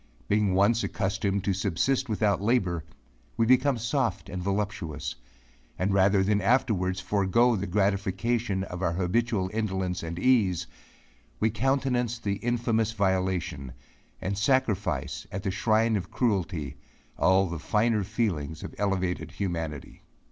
Being once accustomed to subsist without labour, we become soft and voluptuous; and rather than afterwards forego the gratification of our habitual indolence and ease, we countenance the infamous violation, and sacrifice at the shrine of cruelty, all the finer feelings of elevated humanity.